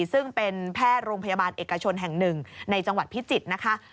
ซึ่งเป็นแพทย์โรงพยาบาลเอกชนแห่งหนึ่งในจังหวัดพิจิตรนะคะ